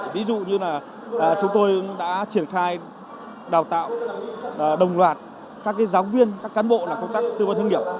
ví dụ như là chúng tôi đã triển khai đào tạo đồng loạt các giáo viên các cán bộ làm công tác tư vấn hướng nghiệp